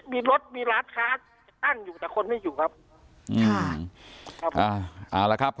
มีแต่ลานค้าตั้งแต่คนนี้อยู่ครับ